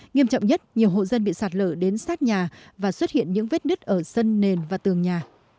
nghiêm trọng nhất nhiều hộ dân bị sạt lở đến sát nhà và xuất hiện những vết nứt ở sân nền và tường nhà